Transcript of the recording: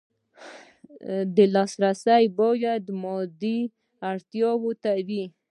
دا لاسرسی باید مادي اړتیاوو ته وي.